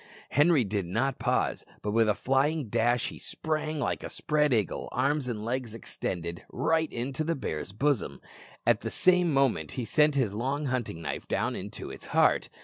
Henri did not pause, but with a flying dash he sprang like a spread eagle, arms and legs extended, right into the bear's bosom. At the same moment he sent his long hunting knife down into its heart.